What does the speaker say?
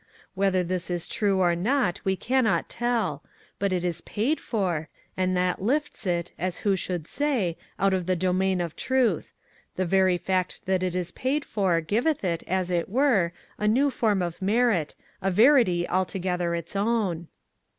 Whether this is true or not we cannot tell. But it is PAID FOR, and that lifts it, as who should say, out of the domain of truth. The very fact that it is paid for giveth it, as it were, a new form of merit, a verity altogether its own."